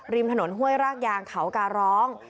ริมถนนห้วยรากยางเขาการร้อง